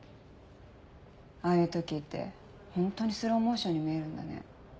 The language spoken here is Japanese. ああいう時ってホントにスローモーションに見えるんだね。